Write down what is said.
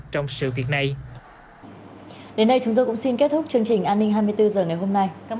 trong sự việc này đến đây chúng tôi cũng xin kết thúc chương trình an ninh hai mươi bốn giờ ngày hôm nay cảm